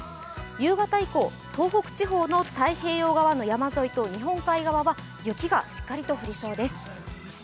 夕方以降、東北地方の山沿いと日本海側は雪がしっかりと降りそうです。